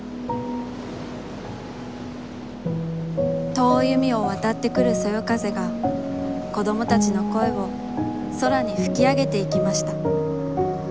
遠い海をわたってくるそよ風が、子どもたちの声を、空にふきあげていきました。